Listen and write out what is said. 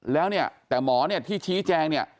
แล้วเนี่ยแต่หมอเนี่ยที่ชี้แจงเนี่ย